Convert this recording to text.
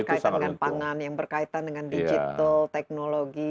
berkaitan dengan pangan yang berkaitan dengan digital teknologi